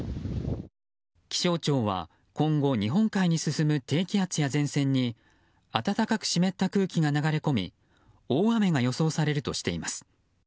気象庁は今後日本海に進む低気圧や前線に暖かく湿った空気が流れ込み大雨が予想されるとしています。